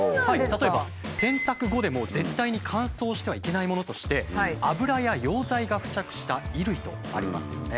例えば洗濯後でも絶対に乾燥してはいけないものとして「油や溶剤が付着した衣類」とありますよね。